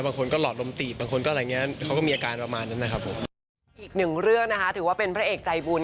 บางคนก็หลอดลมตีบบางคนก็อะไรอย่างเงี้ย